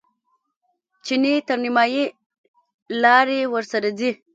چیني تر نیمایي لارې ورسره ځي.